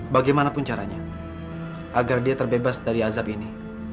bagaimanapun caranya agar dia terbebas dari azab ini